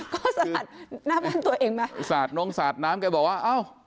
ก็สาดหน้าบ้านตัวเองไหมสาดน้องสาดน้ำแกบอกว่าเอ้า